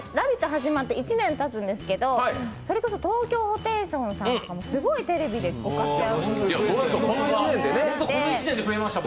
始まって１年たつんですけどそれこそ東京ホテイソンさんとかもすごくテレビでご活躍して。